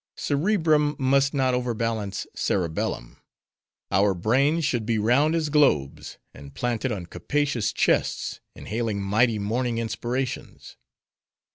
Cerebrum must not overbalance cerebellum; our brains should be round as globes; and planted on capacious chests, inhaling mighty morning inspirations.